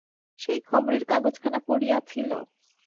সেই খবরের কাগজখানা পড়িয়া ছিল।